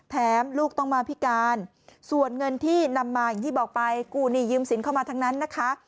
ลูกต้องมาพิการส่วนเงินที่นำมาอย่างที่บอกไปกู้หนี้ยืมสินเข้ามาทั้งนั้นนะคะ